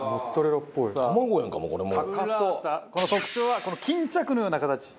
特徴はこの巾着のような形。